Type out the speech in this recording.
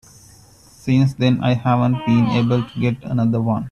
Since then I haven't been able to get another one.